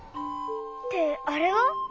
ってあれは？